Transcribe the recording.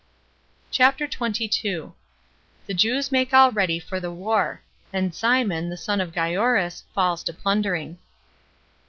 CHAPTER 22. The Jews Make All Ready For The War; And Simon, The Son Of Gioras, Falls To Plundering.